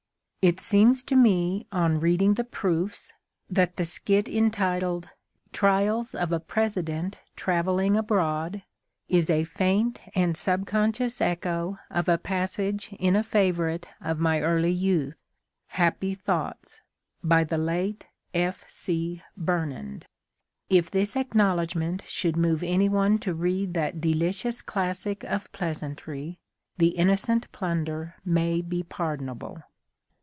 It seems to me, on reading the proofs, that the skit entitled "Trials of a President Travelling Abroad" is a faint and subconscious echo of a passage in a favorite of my early youth, Happy Thoughts, by the late F.C. Burnand. If this acknowledgment should move anyone to read that delicious classic of pleasantry, the innocent plunder may be pardonable.